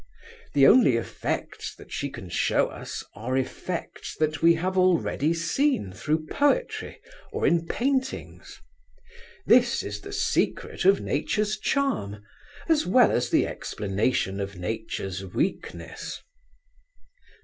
The only effects that she can show us are effects that we have already seen through poetry, or in paintings. This is the secret of Nature's charm, as well as the explanation of Nature's weakness.